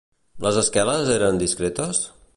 Les esqueles eren discretes?